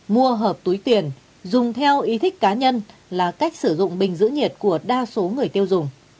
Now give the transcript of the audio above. mua hợp túi tiền dùng theo ý thích cá nhân là cách sử dụng bình giữ nhiệt của đa số người tiêu dùng